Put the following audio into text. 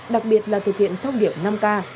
đặc biệt là thực hiện thông điệp năm k